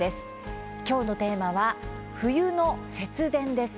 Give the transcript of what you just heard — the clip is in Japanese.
今日のテーマは「冬の節電」です。